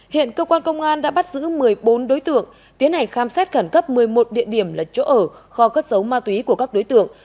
hiện cơ quan công an đã bắt giữ một mươi bốn đối tượng tiến hành khám xét khẩn cấp một mươi một địa điểm là chỗ ở kho cất dấu ma túy của các đối tượng